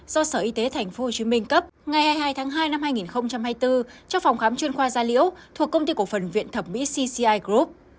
do sở y tế tp hcm cấp ngày hai mươi hai tháng hai năm hai nghìn hai mươi bốn trong phòng khám chuyên khoa gia liễu thuộc công ty cổ phần viện thẩm mỹ cci group